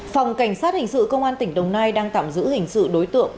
phòng cảnh sát hình sự công an tỉnh đồng nai đang tạm giữ hình sự đối tượng